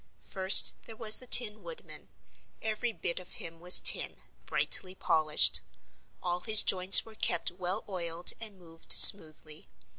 First there was the Tin Woodman. Every bit of him was tin, brightly polished. All his joints were kept well oiled and moved smoothly.